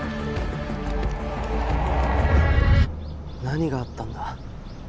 何があったんだ？